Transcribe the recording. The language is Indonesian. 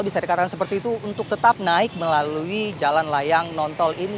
bisa dikatakan seperti itu untuk tetap naik melalui jalan layang nontol ini